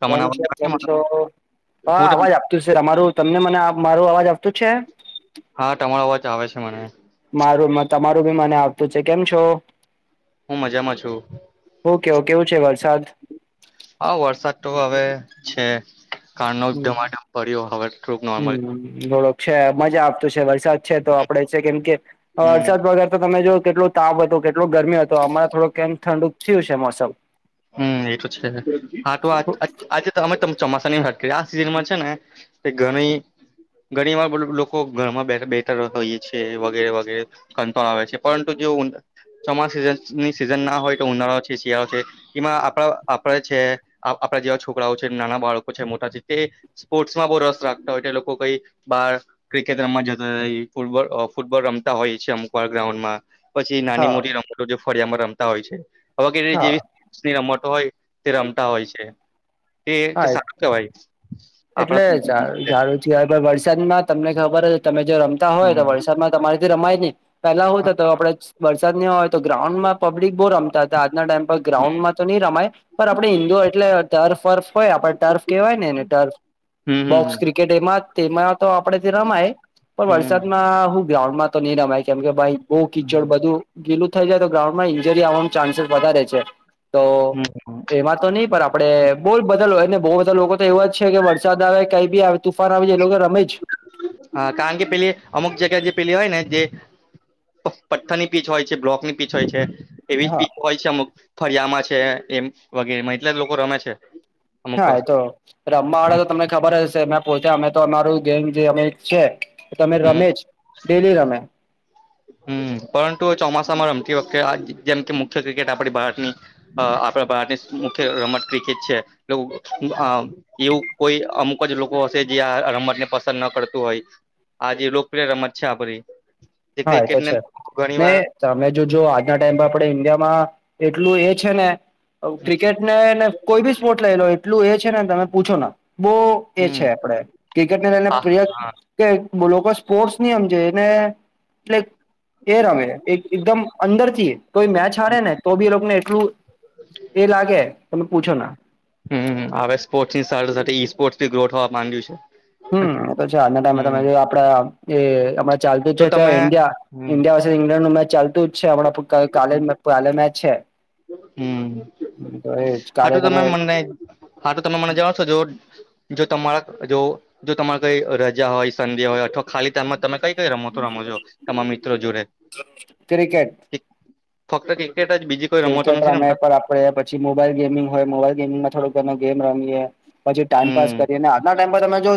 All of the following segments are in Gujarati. તમને કેમ અવાજ છો આવે છે કેમ મારો? છો, હા હું ત અવાજ આપતું છે. અમારું તમને મને મારું અવાજ આપતું જ છે? હા તમારો અવાજ આવે છે મને. મારું તમારું બી મને આવતું છે કેમ છો? હું મજામાં છું. ઓકે ઓકે કેવું છે વરસાદ? હા, વરસાદ તો હવે છે. કાર નો હમ ધમામ ફર્યો હવે થોડુંક નોર્મલ [unintelligible] છે મજા આપતું છે વરસાદ છે તો આપડે છે કેમ કે હમ વરસાદ વગર તો તમે જો કેટલું. તાપ હતો કેટલો ગરમી હતો હમણાં થોડું કેમ ઠંડુ થયું છે મોસમ. હમ એ તો છે, હા તો આજ આજ આજે જ. તો અમે તમ ચોમાસાની [unintelligible] આ સિઝનમાં છે ને તે ઘણી ઘણી વાર લોકો ઘરમાં બેઠર બેઠર હોઈ છે, વગેરે વગેરે કંટાળો આવે છે, પરંતુ જો ચોમાસા સની સિઝન ના હોય તો ઉનાળો છે, શિયાળો છે ઈમાં આપણા આપણા છે, આપણા જેવા છોકરાઓ છે નાના બાળકો છે મોટા છે તે સ્પોર્ટ્સમાં બહુ રસ રાખતા હોય છે લોકો કઈ બહાર ક્રિકેટ રમવા જતા [unintelligible] ફૂલબોલ અ ફૂટબોલ રમતા હોય છે અમુક વાર ગ્રાઉન્ડમાં. પછી નાની હા મોટી રમતો જે ફળિયામાં રમતા હોય છે વગરે જેવી. હા [unintelligible] રમતો હોય તે રમતા હોય છે, તે હા એ સારું કેવાય. એટલે ઝા સારુજ કેવાય વરસાદમાં તમને ખબર હ તમે જો રમતા હોય તો હમ વરસાદમાં તમારી રમાય ની પેલા હોતા આપડે વરસાદ ની હોય તો ગ્રાઉન્ડ માં પબ્લિક બો રમતા આજના ટાઈમ પર ગ્રાઉન્ડ માં તો નહી રમાય પણ આપડે ઈન્ડોર એટલે ટર્ફ વર્ફ હોય આપડે ટર્ફ કેવાય ને એને ટર્ફ. હમ હમ બોક્સ હમ ક્રિકેટ એમાં તેમાં તો આપડે થી રમાય પણ હમ વરસાદમાં હું. ગ્રાઉન્ડમાં તો નહી રમાય કેમ કે ભાઈ બહુ કિચડ બધું. ગીલું થઈ જાય તો ગ્રાઉન્ડમાં ઈન્જરી આવવાનું ચાન્સેસ વધારે છે, તો હમ એમાં તો નહી પર આપડે બોલ બધા હોય ને બો બધા લોકો તો એવા જ છે કે વરસાદ આવે કઈ બી આવે તુફાન આવી જાય એ લોકો રમે જ હા કારણ કે પેલી અમુક જગ્યા જે પેલી હોય ને જે પથ્થર ની પીચ હોય છે, બ્લોક ની પીચ હોય છે. એવી હા પીચ હોય છે, અમુક ફરિયામાં છે એમ વગેરેમાં એટલે જ લોકો રમે છે. અમુક હા વાર એ તો રમવા વાડે તો તમને ખબર હશે મે પોતે અમે તો અમારું ગેંગ જે અમે છે. તમે હમ રમે જ ડેલી રમે હમ્મ પરંતુ ચોમાસામાં રમતી વખતે આ જેમ કે મુખ્ય ક્રિકેટ આપડી ભારતની અ આપણા ભારતની મુખ્ય રમત ક્રિકેટ છે. એવું કોઈ અમુક જ લોકો હશે જે આ રમતને પસંદ ન કરતું હોય. આજે લોકપ્રિય રમત છે આપરી હા એ તો છે ને તમે જોજો આજના ટાઈમ આપડે ઈન્ડિયામાં એટલું એ છે ને ક્રિકેટને ને કોઈ બી સ્પોર્ટ લઈ લો એટલું એ છે ને તમે પૂછો ન બો એ છે હમ આપણેે ક્રિકેટ ને લઈને હા પ્રિય કે લોકો સ્પોર્ટસ ની હમજે એને [inaudible] એ રમે એક એકદમ અંદર થી તોઈ મેચ હારે ને તો બી લોકોને એટલું એ લાગે તમે પૂછો ના હમ્મ હમ્મ હવે સ્પોર્ટ્સ ની સાથે સાથે ઈ સ્પોર્ટસથી ગ્રો થવા માંડ્યું છે. હમ્મ એ તો છે આજના ટાઈમે તમે હમ જો આપડા એ અણા ચાલતું તો છે તમે ત્યા ઇન્ડિયા હમ ઇન્ડિયા ઇંગ્લેન્ડ નું મેચ ચાલતું જ છે હમણા કાલે કાલે મેચ છે હમ તો એજ હા કાલે તો તમે મને હા તો તમે મને [unintelligible] જો તમારા જો જો તમારે કઈ રજા હોય સંધ્યા હોય અથવા ખાલી ટાઈમમાં તમે કઈ કઈ રમતું રમો છો તમામ મિત્રો જોડે ક્રિકેટ ફક્ત ક્રિકેટ જ બીજી કોઈ રમતો ક્રિકેટ નથી રમે રમતા આપડે પછી મોબાઈલ ગેમિંગ હોય મોબાઈલ ગેમિંગમાં થોડ ઘણા ગેમ રમીએ પછી ટાઈમ પાાસ હમ કરીએ ને આજના ટાઈમ પર તમે જો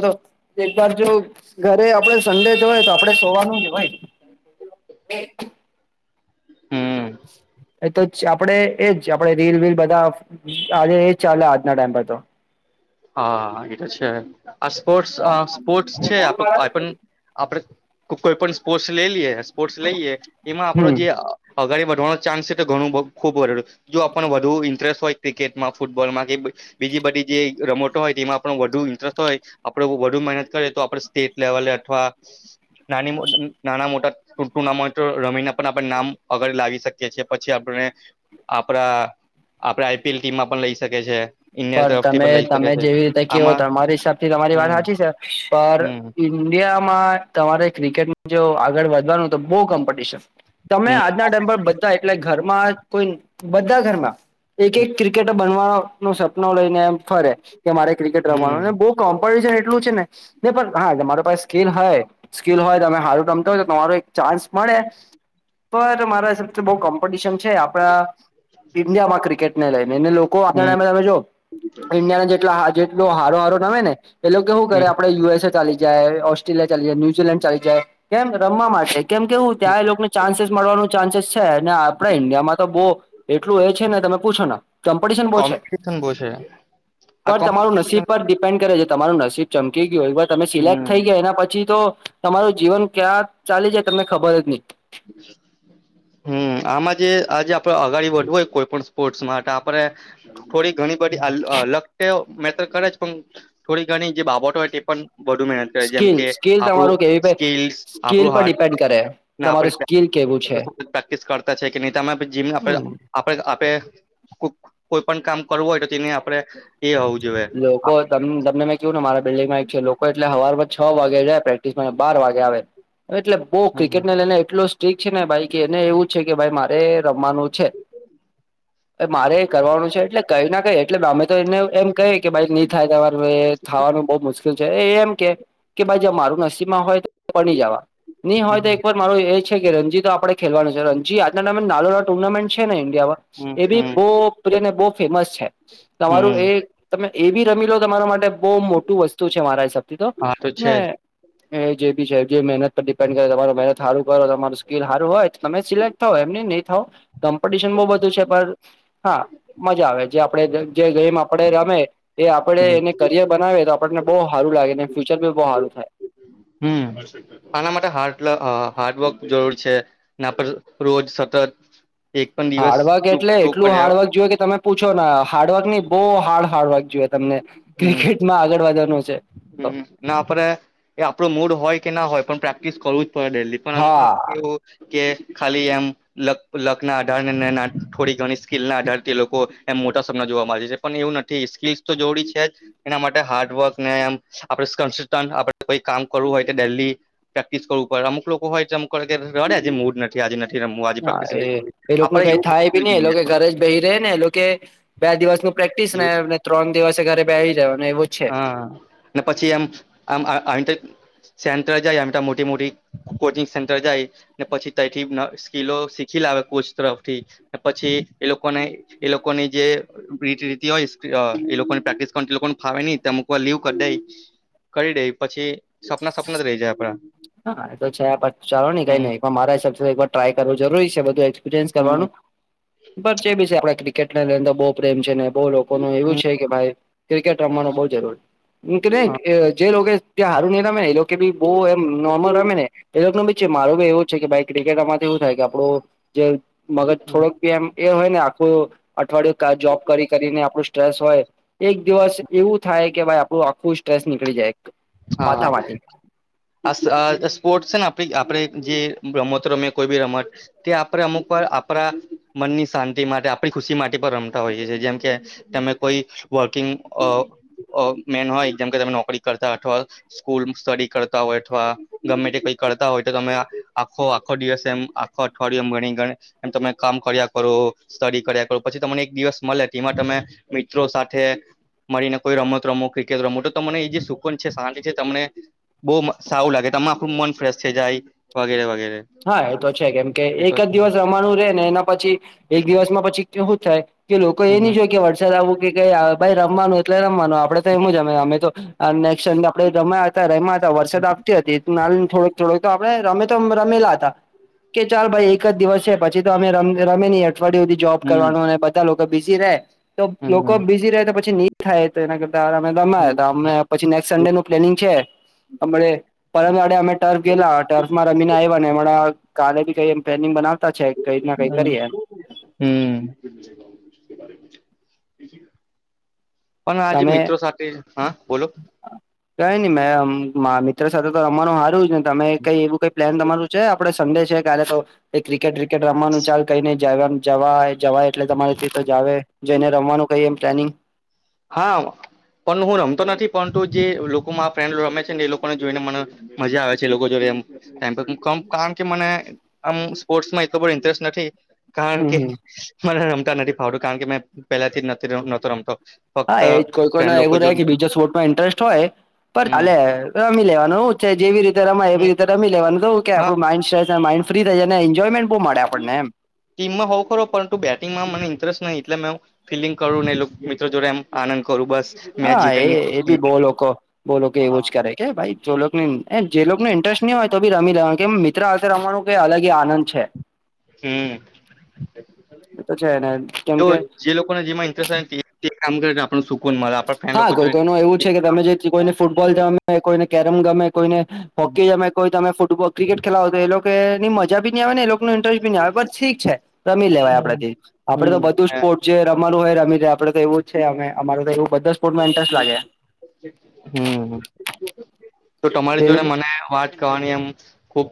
એક વાર જો ઘરે આપડે સંડે જો હોય તો આપડે સોવાનું જ હોય. એ [inaudible] હમ એ તો આપડે એજ આપણેે રીલ વીલ બધા આજે એજ ચાલે આજના ટાઈમ પર તો હા એ તો છે આ સ્પોર્ટ્સ સ્પોર્ટસ છે પણ આપડે કોઈ પણ સ્પોર્ટ્સ લઈલીએ સ્પોર્ટ્સ લઈએ એમાં આપડો હમ જે અગાડી વધવાનો ચાન્સ છે તો ઘણું ખુબ [unintelligible] જો આપણ વધુ ઇન્ટરેસ્ટ હોય ક્રિકેટમાં ફૂટબોલમાં કે બીજી બધી જે રમટો હોય તેમાં આપણો વધુ ઇન્ટરેસ્ટ હોય આપડે વધુ મહેનત કરીએ તો આપડે સ્ટેટ લેવલે અથવા નાની મો નાના મોટા ટુર્નામેન્ટ રમીને પણ આપણે નામ આગળ લાવી શકીએ છીએ પછી આપણે આપડા આપડા આઈપીએલ ટીમમાં પણ લઈ શકે છે ઇન્ડિયા તરફથી પણ લઈ શકે તમે છે જેવી રીતે કેવો આમાં તમારી હિસાબ થી તમારી વાત હમ હાચી છે પણ હમ ઇન્ડિયામાં તમારે ક્રિકેટમાં જો આગળ વધવાનું તો બો કોમ્પિટિશન તમે હમ આજના ટાઈમ પર બધા એટલે ઘરમાં કોઈ બધા ઘરમાં એક એક ક્રિકેટર બનવાનું સપનું લઈને એમ ફરે કે મારે ક્રિકેટ હમ રમાવાને બહ કોમ્પિટિશન એટલું છે ને ની પણ હા મારો પાસે સ્કીલ હે સ્કીિલ હોય તમે સારું રમતા હોય તો તમારો એક ચાન્સ મળે તો મારા હિસાબથી બો કોમ્પિટિશન આપણા ઇન્ડિયામાં ક્રિકેટ ને લઈને એને લોકો આપ હમ ટમે તમે જો ઈન્ડિયાને જેટ જેટલો હારો હારો નવે ને એ લોકો શું કરે હમ આપડ યુએસએ ચાલી જ ઓસ્ટ્રેલિયા ચાલી જાય ન્યુઝીલેન્ડ ચા જાય કેમ રમવા માટે કેમ કેવું ત્યાં એ લોકોને ચાન્સીસ મળવાનું ચાન્સીસ છે ને આપણા ઈન્ડિયામાં તો બહુ એટલું એ છે ને તમે પૂછો ને કોમ્પિટિશન બહુ છે ન બસે પણ તમારું નસીબ પર ડિપેન્ડ કરે જે તમારું નસીબ ચમકી ગયું એવા તમે સિલેક્ટ હમ થઈ ગયા એના પછી તો તમારું જીવન ક્યાં ચાલે છે તમને ખબર જ નહી બ હમ આમાં જે આજે આપડે અગાડી વધવું હોય કોઈ પણ સ્પોર્ટ્સ માટે આપણે થોડી ઘણી બધી લક તેઓ મેટર કરે પણ થોડી ઘણી જે બાબતો હોય તે પણ વધુ મહેનત કરે જેમ સ્કીલ કે સ્કીલ આપણું તમારું કેવી પ સ્કીલ પર ડિપેન્ડ કરે ના આપ તમારું સ્કીલ કેવું છે પ્રેક્ટિસ કરતા છે કે નહીમેમ હમ આપડ આપે કોઈ પણ કામ કરવું હોય તો તેને આપડે એ હોવું જોઈએ લોકો તમ તમને મેં કેવું ને મારા બિલ્ડીંગમાં એક છે લોકો એટલે હવારમાં છ વાગે જાય પ્રેક્ટિસ બાર વાગે આવે એટલે બહુ હમ હમ ક્રિકેટ ને લઈને એટલો ઠીક છે ને ભાઈ કે એને એવું છે કે ભાઈ મારે રમવાનું છે. મારે કરવાનું છે એટલે કઈ ના કઈ એટલે ગમે તો એને એમ કહી ભાઈ નહી થાય તમાર થાવાનું બહ મુશ્કેલ છે એમ કે કે ભાઈ જ મારું નસીબમાં હોય તો પ જવા નહી હોય તો હમ એક વાર મારું એ છે કે રણજી તો આપણે ખેલવાનું છે રણજી આજના ટાઈમે નાલો ના ટુર્નામેન્ટ છે ઇન્ડિયામાં હમ એ બી હમ બહને બહ ફેમસ છે તમારું હમ એ તમે એ બી રમી લો તમારા માટે બહુ મોટું વસ્તુ છે મારા હિસાબથી તો હા છે ને જ એ જે બી છે જે મહેનત પર ડિપેન્ડ કરે તમારા મહેનત હારું કરો તો તમારું સ્કીલ હારું હોય તમે સિલેક્ટ થાવ એમ નહી ની થાવ કોમ્પિટિશન બહ બધું છે પણ હા મજા આવે જે આપડે જે ગેમ આપણે રમે એ આપડે હમ એને કરિયર બનાવી તો આપણને બહુ સારું લાગે ફ્યુચર બી બહુ સારું થાય હમ આના માટે હાર્ડ હાર્ડવર્ક જરૂર છે ના પર રોજ સતત એક પણ દિવસ હાર્ડવર્ક ચૂક એટલે ચૂક એટલું કર્યા હાર્વર્ક જોયવે કે તમે પૂછો હાર્ડવર્ક નહી બહુ હાર્ડ હાર્ડવર્ક જોએ તમને ક્રિકેટમાં આગળ વધવાનું છે તો. હ ના આપડે એ આપડું મૂડ હોય કે ના હોય પણ પ્રેક્ટિસ કરવું જ પડે ડેલી અમુક હા [inaudible] કેવું કે ખાલી એમ લક લકના આધાર ને થોડી ઘણી સ્કીલ ના આધાર તે લોકો એમ મોટા સપના જોવા માંજે છે પણ એવું નથી સ્કીલસ તો જોડી છે જ એના માટે હાર્ડવર્ક ન્યામ આપડે ક આપડે કોઈ કામ કરવું હોય તો દિલ્લી પ્રેક્ટિસ કરવું પડ અમુક લોકો હોય અમુક રડે મૂડ નથી આજે નથી રમવું આજે હા પ્રેક્ટિસ એ નથી કરવી એ લોકો ન આપડે કઈ એવું હોવું થાય ભી નઈ જોઈએ એ લોકો ઘરે જ બહી રહે ને એ બે દિવસ ન પ્રેક્ટિસ એવું ને ત્રણ દિવસે ઘરે બેવી રહ્યો ને એવું છે. હા ને પછી એમ આમ [unintelligible] સેન્ટર જાય આ મોટી મોટી કોચિંગ સેન્ટર જાય ને પછી તથી સ્કીિલો શીખી લાવે કોચ તરફથી પછી એ લોકોને એ લોકોની જે રી રી હોય એ લોકોની પ્રેક્ટિસ કર લોકો ફાવે નહી તો અમુક વા લીવ ક દઈ કરી દે પછી સપના સપના જ રહી જાય આપડા હા એ તો છેછ ચાલો ન કઈ હમ નઈં પણ મારા હિસાબે એકવાર ટ્રાય કરવું જરૂરી છે બધું જેી હમ આપ ક્રિકેટર બ પ્રેમ છે બઉ લોકોનું એવું હમ છે કે ભાઈ ક્રિકેટ રમવાનું બઉ જરૂરી કે હા નહી જે લોકો ત્યાં હારું નહ તમે એ લોકો ભી બહ નર્મલ ટમે નને એ ન બી છે મારું બી એવું છે કે ભાઈ ક્રિકેટ આમાંથી એવું થાય કે આપડું જે મગજ થોડક મ એ હોય ને આખું અઠવાડિયું જોબ કરી કરીને આપણું સ્ટ્રેસ હોય એક દિવસ એવું થાય કે ભાઈ આપણું આખું સ્ટ્રેસ નીકળી જાય હા માથામાંથી સ્પોર્ટ છે ને આપ આપણે જે રમતો રમે કોઈ બી રમત તે આપણે અમુક પર આપણા મનની શાંતિ માટે આપણી ખુશી માટે પણ રમતા હોઈએ છીએ જેમ કે તમે કોઈ વર્કિંગ અ અ મેન હોય જેમકે તમે નોકરી કરતા અથવા સ્કૂલ સ્ટડી કરતા હોય અથવા ગમે તે કઈ કરતા હોય તો તમે આખો આખો દિવસ એમ આખો અઠવાડિમ ભણી ગ એમ તમે કામ કર્યા કરો સ્ટડી કર્યા કરો પછી તમને એક દિવસ મળે તેમાં તમે મિત્રો સાથે મળીને કોઈ રમત રમો ક્રિકેટ રમો તો તમને એજ શું છે શાંતિ છે તમને બહુ સવું લાગે તમે આપણું મન ફ્રેશ છે જાય વગેરે વગેરે હા એ તો છે કેમ કે એ તો એક જ છે દિવસ રમાનું રે ને એના પછી એક દિવસમાં પછી કેવું થાય. કે લોકો એ નહી હમ જોય કે વરસાદ આવવું કે ક ભાઈ રમવાનું એટલે રમવાનું આપડે તો એમું જમે અમે તો નેક્ આપડે ર્યા હતા ર્યા હતા વરસાદ આવતી હતી ના થોડક થોક આપણે રમે તો રમેલા હતા કે ચાલ ભાઈ એક જ દિવસ છે પછી તો અમે ર રમે ન અઠવાડિય. જોબ હમ કરવાનું અને બધા લોકો બિઝી રહે તો હમ લોકો બીઝી રહે તો પછી ની થાય તો એના દ પછી નેક્સ્ટ સન્ડે નું પ્લેનિંગ છે. અમ પરંત વાડે અમે ટર્ફ ગેલા ટર્ફ માં રમીને આવ્યા ને હમણાં કાલે ક એ્નિ બનાવતા છે. કઈ ના કઈ હમ કરીએ એમ હમ પણ આજે તમે મિત્રો સાથે હા બોલો કઈ નને મેં મિત્ર સાથે તો રમવાનું હારવ જ ને તમે કઈ એવું કઈ પ્લાન તમારું છે આપડે સડે છે કાલે તો એ ક્રિકેટ વ્રિકેટ રમવાનું ચાલ કઈ નઈ જ જવા જવાય એટલે તમારીથી તો જાવ જેને રમવાનું કઈ એમ પ્લાનિંગ હા પણ હું રમતો નથી પરંતુ જે લોકોમાં ફ્રેન્ડ રમે છે ને એ લોકોને જોઈને મને મજા આવે છે એ લોકો જોડે એ ટમ ક કારણ કે મને આમ સ્પોર્ટ્સ માં એટલો બધ ઇન્ટરેસ્ટ નથી. કારણ હમ કે હમ મને રમતા નથી ફાવતું કારણ કે મેં પહેલાથી જ નથીતો રમતો હા ફક્ત એ કોઈ કોઈને ફ્રેન્ડ લોકો એવું જો રહેે કે બીજા સ્પોર્ટમાં ઇન્ટરેસ્ટ હોય હમ હાલે રમી લેવાનું છે જેવી રીતે રમાય હમ એવી રીતે રમી લેવાનું તો કે હા આપડું માઇન્ડ માઇડ ફ્રી થાય ને એન્જોયમેન્ટ બહુ મળે આપણને એમ ટીમમાં હોઉું ખરો પરંતુ બેટિંગમાં મને ઇન્ટરેસ્ટ નહીં એટલે મે ફિલિંગ કરું ને મિત્રો જોડે એમ આનંદ કરવું બસ મેચ હા એ જીતની એ ખુશી બી બહ લોકો બોલો કે એવું જ કરે કે ભાઈ જોને જે ઇન્ટરેસ્ટ નહી હોય તો બી રમી લેવા મિતત રમાવાનું કઈ અલગ એ આનંદ છે. હમ એ તો છે ને કેમ તો કે જે લોકોને જેમાં ઇન્ટરેસ્ટ આવે ને તે કામ કરે આપ સુ હા કોઈ તો એનું એવું છે કે તમે જે કોઈને ફૂટબોલ જમે કોઈને કેરમ ગમે કોઈને હોકી જમે કોઈ તમે ફૂટબો ક્રિકેટ ખેલાવો તો એ લોકો ની મજા બી ન આવે ને એ લોકોનું ઇન્ટરેસ્ટ ઠીક છે રમી લેવાય આપેથી આપડે તો હમ બધું. જે રમાનું હોય રીાય આપડે તો એવું જ છે અમારે તો એું બધા સ્પોર્ટમાં ઇન્ટરેસ્ટ લાગે હમ તો તમારી એવી જોડે રી મને વાત કણી એમ ખૂબ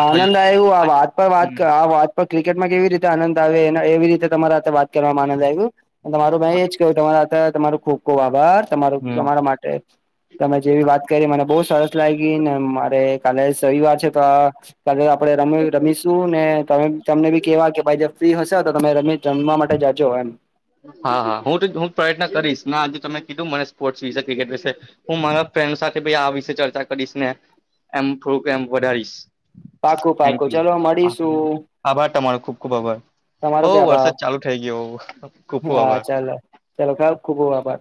આનંદ આયગું આ વાત પર વાત હમ કર વા પણ ક્રિકેટમાં કેવી રીતે આનંદ આવે એવી રીતે તમારા વાત કરવામાં આનંદ આવ્યું તમારું મેં એજ કહ તમા તમારોું ખુબ કવ આભાર તમારો હમ તમારા માટે તમે જેવી વાત કરી મને બહુ સરસ લાગી ને મારે કાલે સિવાર ત આપડે ર રમીશ તું ને તમે તમને બી કેવા કે ભાઈ ફ્રી હશે તો તમે રમી રમવા માટે જાજો એમ હા હા હું તો હું પ્રયત્ન કરીશ આજે તમે કીધું મને સ્પોર્ટ્સ વિશે ક્રિકેટ વિશે હું મારા ફ્રેન્ડ સાથે આ વિશે ચર્ચા કરીશ ને એમ થોડુંક એ વધારીશ પાકું થેન્ક પાકું યુ ચલો મળીશું આભાર તમારો ખુબ ખુબ આભાર તમારો હો બી આભાર વરસાદ ચાલુ થઈ ગયો, હો. હા ચાલો ચાલો ખબ ખુબ ખબ આભાર